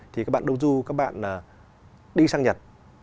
thì các bạn đông du các bạn đi sang nhật